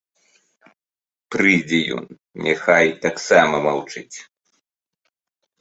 Прыйдзе ён, няхай таксама маўчыць.